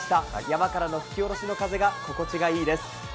山からの吹き下ろしの風が、心地いいです。